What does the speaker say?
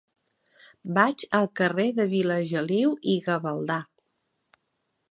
Vaig al carrer de Vilageliu i Gavaldà.